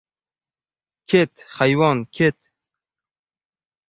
— Ket, hayvon, ket!